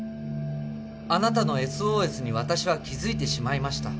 あなたのＳＯＳに私は気づいてしまいました